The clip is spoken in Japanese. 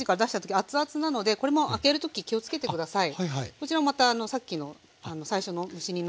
こちらもまたさっきの最初の蒸し煮のように。